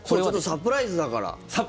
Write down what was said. サプライズだから。